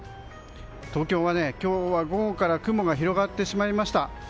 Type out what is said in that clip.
東京は今日は午後から雲が広がってしまいました。